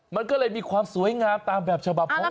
มันก็เลยมีความสวยงามตามแบบฉบับของ